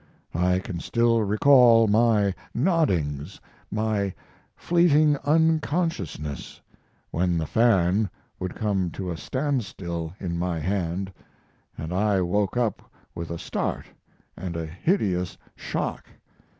I can still recall my noddings, my fleeting unconsciousness, when the fan would come to a standstill in my hand, and I woke up with a start and a hideous shock.